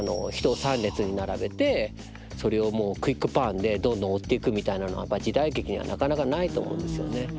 人を３列に並べてそれをもうクイックパンでどんどん追っていくみたいなのは時代劇にはなかなかないと思うんですよね。